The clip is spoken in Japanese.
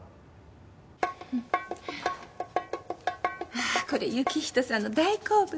ああこれ行人さんの大好物。